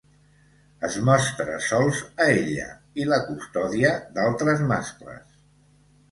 Es mostra sols a ella i la custodia d'altres mascles.